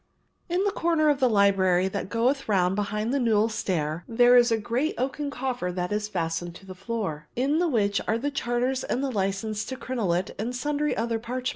"'In the corner of the library that goeth round behind the newel stair there is a great oaken coffer that is fastened to the floor, in the which are the charters and the license to crenellate and sundry other parchments.